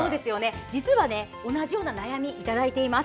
実は、同じような悩みをいただいています。